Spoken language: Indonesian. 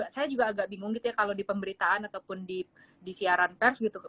saya juga agak bingung gitu ya kalau di pemberitaan ataupun di siaran pers gitu